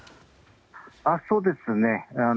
そうですね。